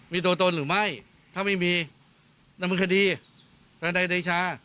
มีตัวตนหรือไม่ถ้าไม่มีดำเนินคดีทนายเดชา